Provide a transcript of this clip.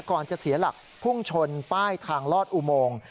จะเสียหลักพุ่งชนป้ายทางลอดอุโมง